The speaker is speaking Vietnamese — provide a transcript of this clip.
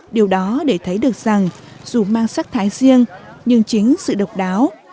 điều đó để thấy được rằng dù mang sắc thái riêng nhưng chính sự độc đáo